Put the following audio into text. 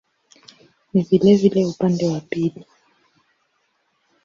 Ni vilevile upande wa pili.